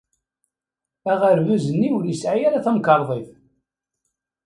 Aɣerbaz-nni ur yesɛi ara tamkarḍit.